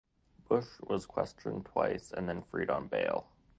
Bush was questioned twice and then freed on bail.